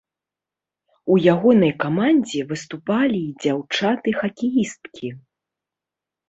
У ягонай камандзе выступалі і дзяўчаты-хакеісткі.